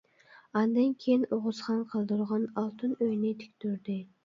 ئاندىن كېيىن ئوغۇزخان قىلدۇرغان ئالتۇن ئۆينى تىكتۈردى.